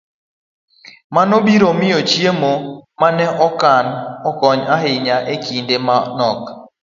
Mano biro miyo chiemo ma ne okan okony ahinya e kinde ma nok